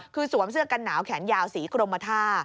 คือสวมเสื้อกันหนาวแขนยาวสีกรมท่า